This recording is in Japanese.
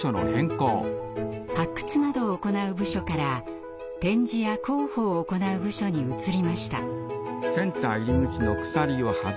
発掘などを行う部署から展示や広報を行う部署に移りました。